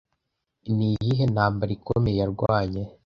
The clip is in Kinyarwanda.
Ni iyihe ntambara ikomeye yarwanye